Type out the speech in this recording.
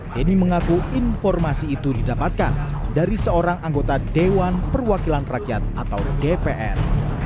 denny mengaku informasi itu didapatkan dari seorang anggota dewan perwakilan rakyat atau dpr